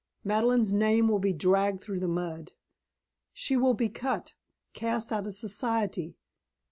Madeleine's name will be dragged through the mud. She will be cut, cast out of Society.